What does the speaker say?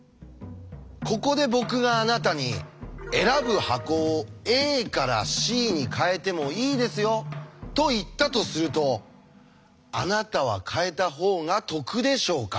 ここで僕があなたに「選ぶ箱をＡからＣに変えてもいいですよ」と言ったとするとあなたは変えた方が得でしょうか？